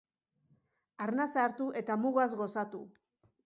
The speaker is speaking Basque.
Arnasa hartu eta mugaz gozatu